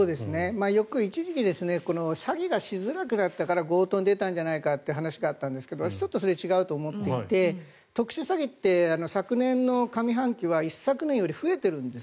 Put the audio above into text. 一時期詐欺がしづらくなったから強盗に出たんじゃないかという話があったんですが私はちょっとそれは違うと思っていて特殊詐欺って昨年の上半期は一昨年より増えているんです。